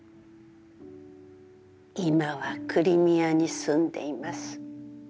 今はクリミアに住んでいます